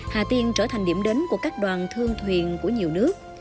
hà tiên trở thành điểm đến của các đoàn thương thuyền của nhiều nước